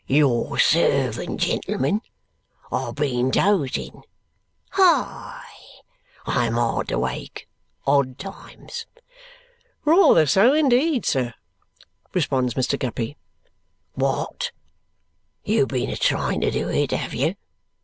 "Your servant, gentlemen; I've been dozing. Hi! I am hard to wake, odd times." "Rather so, indeed, sir," responds Mr. Guppy. "What? You've been a trying to do it, have you?"